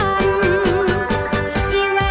ขอโชคดีค่ะ